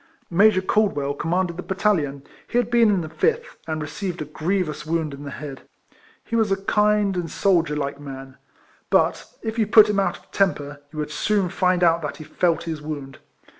Major Caldwell commanded the battalion ; he had been in the fifth, and received a grievous wound in the head. He was a kind and soldier like man, but if you put him out of temper, you would soon find out that he felt his wound.